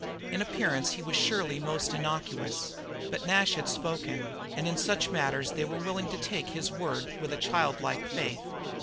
In appearance he was surely most innocuous, but Nash had spoken, and in such matters they were all willing to take his word with a childlike faith.